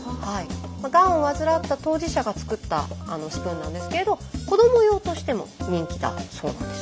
がんを患った当事者が作ったスプーンなんですけれど子ども用としても人気だそうなんです。